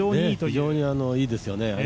非常にいいですよね。